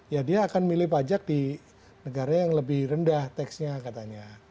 ya dia akan milih pajak di negara yang lebih rendah teksnya katanya